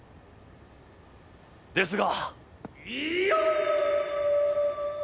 ですが。